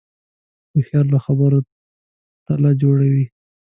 هوښیار له خبرو تله جوړوي